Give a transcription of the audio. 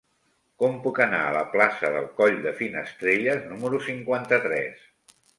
Com puc anar a la plaça del Coll de Finestrelles número cinquanta-tres?